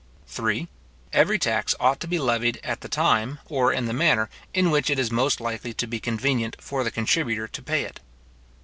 3. Every tax ought to be levied at the time, or in the manner, in which it is most likely to be convenient for the contributor to pay it.